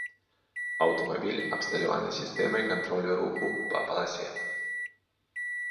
Аўтамабіль абсталяваны сістэмай кантролю руху па паласе.